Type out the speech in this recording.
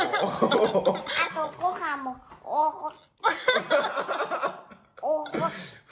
あとごはんもおごってな。